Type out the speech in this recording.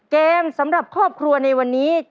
เกมสำหรับครอบครัวในวันนี้